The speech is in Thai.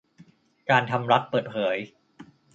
การทำรัฐเปิดเผย